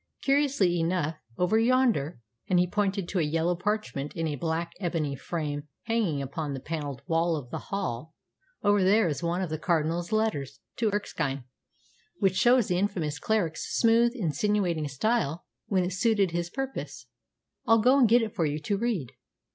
Curiously enough, over yonder" and he pointed to a yellow parchment in a black ebony frame hanging upon the panelled wall of the hall "over there is one of the Cardinal's letters to Erskine, which shows the infamous cleric's smooth, insinuating style when it suited his purpose. I'll go and get it for you to read."